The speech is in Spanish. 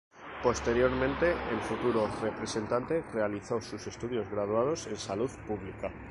Posteriormente el futuro representante realizó sus estudios graduados en Salud Pública.